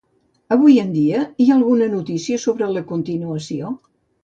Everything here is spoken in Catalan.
Avui en dia hi ha alguna notícia sobre la continuació?